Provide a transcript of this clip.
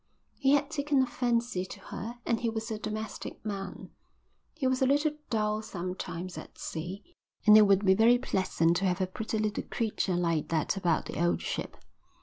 He had taken a fancy to her and he was a domestic man. He was a little dull sometimes at sea and it would be very pleasant to have a pretty little creature like that about the old ship.